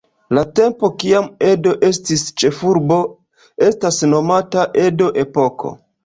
La tempo kiam Edo estis ĉefurbo, estas nomata Edo-epoko.